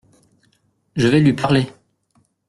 Je vais lui parler !